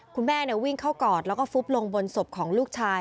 คุณแม่วิ่งเข้ากอดแล้วก็ฟุบลงบนศพของลูกชาย